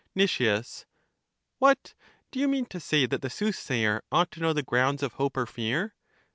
Nic, What! do you mean to say that the sooth sayer ought to know the grounds of hope or fear?